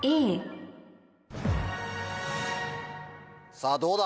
さぁどうだ？